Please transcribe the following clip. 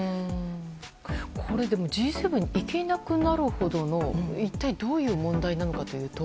これ、Ｇ７に行けなくなるほどの一体どういう問題なのかというと。